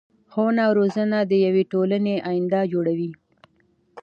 ښوونه او روزنه د يو ټولنی اينده جوړوي .